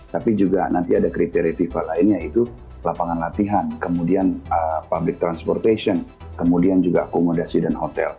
tapi juga nanti ada kriteria fifa lain yaitu lapangan latihan kemudian public transportation kemudian juga akomodasi dan hotel